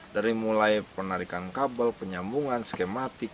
dari mulai penarikan kabel penyambungan skematik